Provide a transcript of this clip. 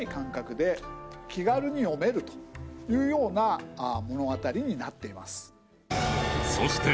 気軽に読めるというような物語になっています。